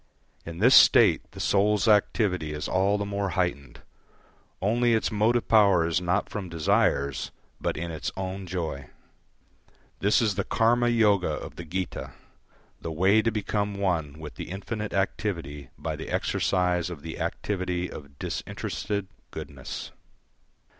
In this state the soul's activity is all the more heightened, only its motive power is not from desires, but in its own joy. This is the Karma yoga of the Gita, the way to become one with the infinite activity by the exercise of the activity of disinterested goodness.